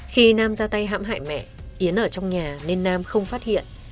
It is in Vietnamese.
khi nam ra tay hãm hại mẹ yến ở trong nhà nên nam không phát hiện